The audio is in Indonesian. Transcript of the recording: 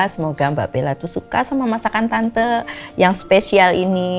semoga mbak bella itu suka sama masakan tante yang spesial ini